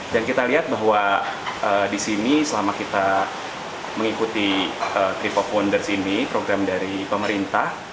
dan kita lihat bahwa disini selama kita mengikuti trip of wonders ini program dari pemerintah